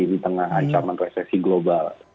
di tengah ancaman resesi global